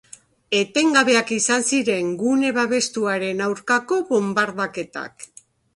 Etengabeak izan ziren gune babestu haren aurkako bonbardaketak.